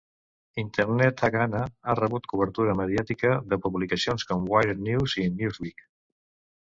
Internet Haganah ha rebut cobertura mediàtica de publicacions com "Wired News" i "Newsweek".